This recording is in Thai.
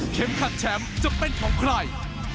ขัดแชมป์จะเป็นของใคร